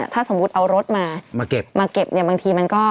ถ้าสมมติเอารถมาเก็บบางทีมันก็